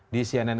di cnn indonesia